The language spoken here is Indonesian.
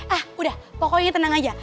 ah udah pokoknya tenang aja